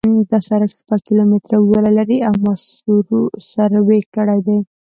دا سرک شپږ کیلومتره اوږدوالی لري او ما سروې کړی دی